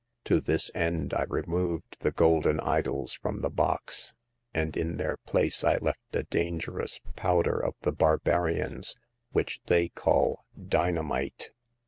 To this end I removed the golden idols from the box, and in their place I left a dangerous powder of the barba rians, which they call dynamite.